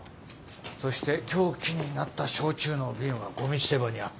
そして凶器になった焼酎の瓶はゴミ捨て場にあった。